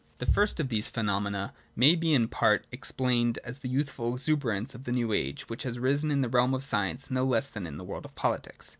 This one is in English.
' The first of these phenomena may be in part ex plained as the youthful exuberance of the new age which has risen in the realm of science no less than in the world of politics.